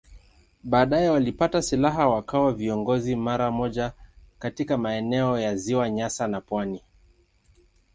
Baadaye walipata silaha wakawa viongozi mara moja katika maeneo ya Ziwa Nyasa na pwani.